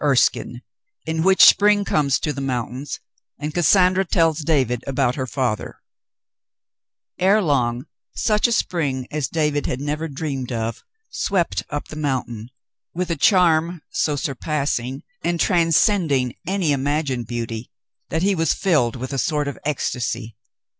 CHAPTER XI IN WHICH SPRING COMES TO THE MOUNTAINS, AND CAS SANDRA TELLS DAVID OF HER FATHER Ere long such a spring as David had never dreamed of swept up the mountain, with a charm so surpassing and transcending any imagined beauty that he was filled with a sort of ecstasy.